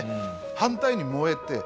反対に燃えて。